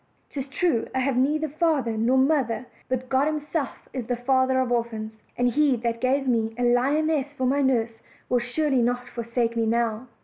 'Tis true I have neither father nor mother; but God Himself is the Father of orphans, and He that gave me a lioness for my nurse will surely not forsake me now."